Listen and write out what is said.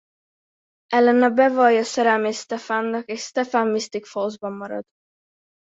Elena bevallja szerelmét Stefannak és Stefan Mystic Fallsban marad.